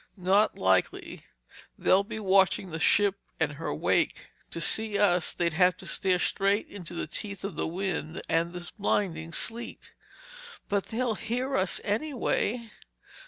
"Not likely. They'll be watching the ship and her wake. To see us, they'd have to stare straight into the teeth of the wind and this blinding sleet." "But they'll hear us, anyway?"